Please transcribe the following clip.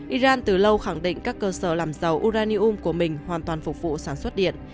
iran từ lâu khẳng định các cơ sở làm dầu uranium của mình hoàn toàn phục vụ sản xuất điện